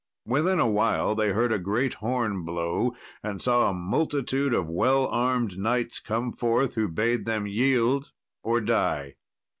Within a while they heard a great horn blow, and saw a multitude of well armed knights come forth, who bade them yield or die.